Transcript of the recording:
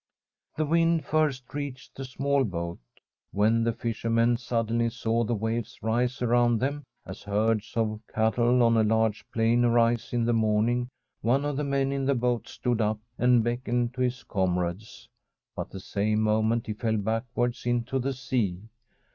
The wind first reached the small boat. When the fishermen suddenly saw the waves rise around them, as herds of cattle on a large plain arise in the morning, one of the men in the boat stood up and beckoned to his comrades, but the same moment he fell backwards into the sea.